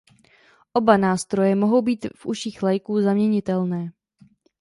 Oba nástroje mohou být v uších laiků zaměnitelné.